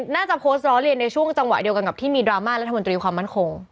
น่าจะโพสต์ล้อเลียนในช่วงจังหวะเดียวกันกับที่มีดราม่ารัฐมนตรีความมั่นคง